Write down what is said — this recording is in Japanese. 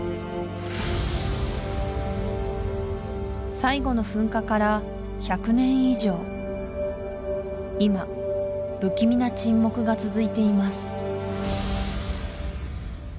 最後の噴火から１００年以上今不気味な沈黙が続いています